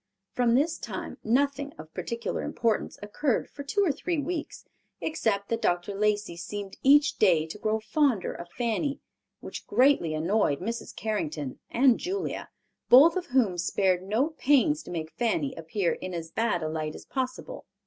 From this time nothing of particular importance occurred for two or three weeks, except that Dr. Lacey seemed each day to grow fonder of Fanny, which greatly annoyed Mrs. Carrington and Julia, both of whom spared no pains to make Fanny appear in as bad a light as possible.